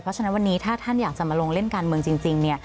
เพราะฉะนั้นวันนี้ถ้าท่านอยากจะมาลงเล่นการเมืองจริงเนี่ย